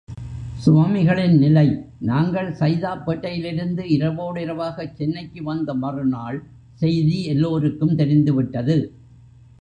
சுவாமிகளின் நிலை நாங்கள் சைதாப்பேட்டையிலிருந்து இரவோடிரவாகச் சென்னைக்கு வந்த மறுநாள், செய்தி எல்லோருக்கும் தெரிந்து விட்டது.